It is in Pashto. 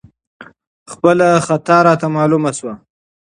خپله اشتباه راته معلومه شوه،